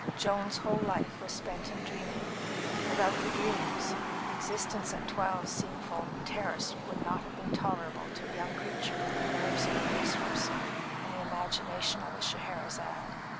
Joan's whole life was spent in dreaming; without the dreams, existence at 12, Seafoam Terrace would not have been tolerable to a young creature with the nerves of a racehorse and the imagination of a Scheherazade.